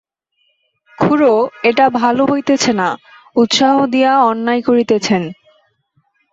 খুড়ো, এটা ভালো হইতেছে না, উৎসাহ দিয়া অন্যায় করিতেছেন।